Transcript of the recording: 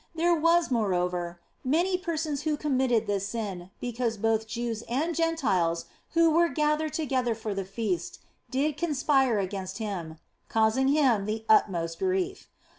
There were, moreover, many persons who committed this sin, because both Jews and Gentiles who were gathered together for the Feast did conspire against Him, causing Him the utmost grief.